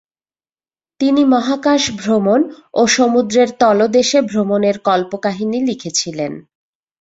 তিনি মহাকাশ ভ্রমণ ও সমুদ্রের তলদেশে ভ্রমণের কল্পকাহিনী লিখেছিলেন।